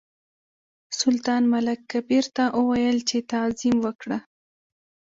سلطان ملک کبیر ته وویل چې تعظیم وکړه.